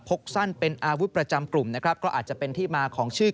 พกสั้นเป็นอาวุธประจำกลุ่มนะครับก็อาจจะเป็นที่มาของชื่อ